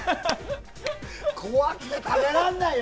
怖くて食べられないよ！